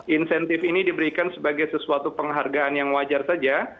insentif ini diberikan sebagai sesuatu penghargaan yang wajar saja